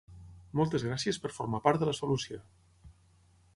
Moltes Gràcies per formar part de la solució!